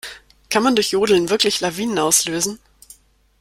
Kann man durch Jodeln wirklich Lawinen auslösen?